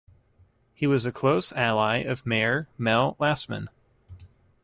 He was a close ally of mayor Mel Lastman.